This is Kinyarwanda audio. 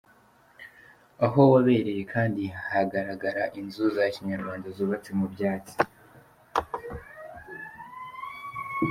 Aho wabereye kandi hagaragara inzu za Kinyarwanda zubatse mu byatsi.